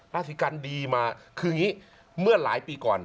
ราศีกันดีมาคืออย่างนี้เมื่อหลายปีก่อน